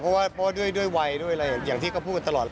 เพราะว่าด้วยวัยด้วยอะไรอย่างที่เขาพูดกันตลอด